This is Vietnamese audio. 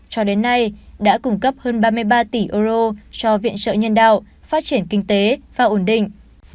cho đến nay đã cung cấp hơn ba mươi ba tỷ euro cho viện trợ nhân đạo phát triển kinh tế và ổn định